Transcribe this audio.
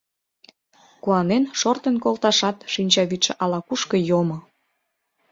Куанен шортын колташат шинчавӱдшӧ ала-кушко йомо.